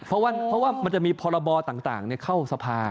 เพราะว่ามันจะมีพรบต่างเข้าสภา